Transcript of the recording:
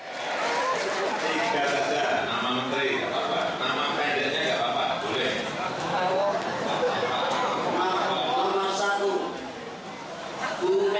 yang units tak biodata lebih dari gamanyaitas seorang keras segar puka